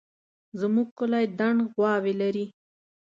زموږ کلی دڼ غواوې لري